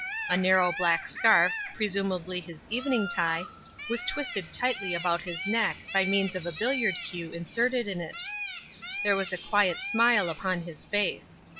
A narrow black scarf, presumably his evening tie, was twisted tightly about his neck by means of a billiard cue inserted in it. There was a quiet smile upon his face.